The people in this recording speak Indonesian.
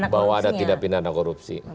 bahwa ada tindak pidana korupsi